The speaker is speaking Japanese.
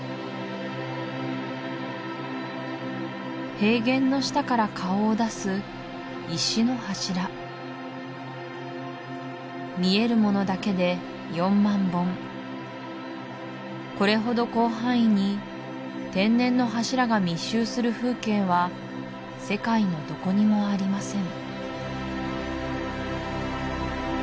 平原の下から顔を出す石の柱見えるものだけで４万本これほど広範囲に天然の柱が密集する風景は世界のどこにもありません